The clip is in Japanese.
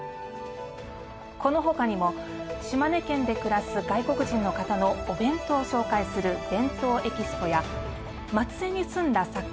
この他にも島根県で暮らす外国人の方のお弁当を紹介する「ＢＥＮＴＯＥＸＰＯ」や松江に住んだ作家